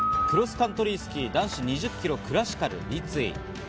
クロスカントリースキー男子２０キロクラシカル立位。